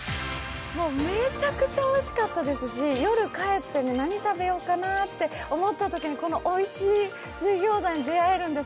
めちゃくちゃおいしかったですし、夜帰って、何食べようかなと思ったときにこのおいしい水餃子に出会えるんです。